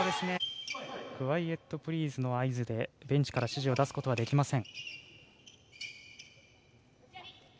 クワイエットプリーズの合図でベンチから指示を出すことはできません。